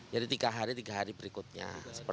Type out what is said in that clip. jadi tiga hari tiga hari berikutnya